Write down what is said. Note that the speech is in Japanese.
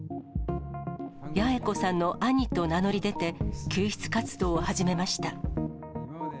八重子さんの兄と名乗り出て、救出活動を始めました。